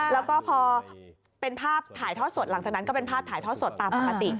แล้วก็พอเป็นภาพถ่ายทอดสดหลังจากนั้นก็เป็นภาพถ่ายทอดสดตามปกติ